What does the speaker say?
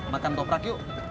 makan toprak yuk